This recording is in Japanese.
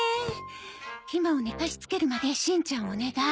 ひまを寝かしつけるまでしんちゃんをお願い。